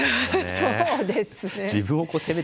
そうですね。